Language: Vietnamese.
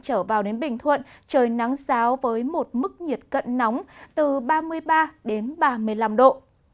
trở vào đến bình thuận trời nắng giáo với một mức nhiệt cận nóng từ ba mươi ba đến ba mươi năm độ